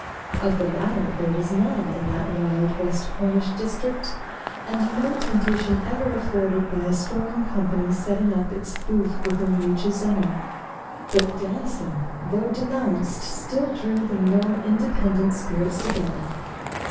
Of the latter there was none in that wild west Cornish district, and no temptation ever afforded by a strolling company setting up its booth within reach of Zennor. But dancing, though denounced, still drew the more independent spirits together.